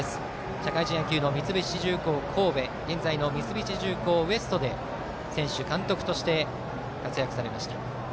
社会人野球の三菱重工神戸現在の三菱重工Ｗｅｓｔで選手、監督として活躍されました。